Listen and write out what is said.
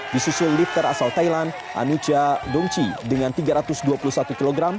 di susul lifter asal thailand anuja dongchi dengan tiga ratus dua puluh satu kg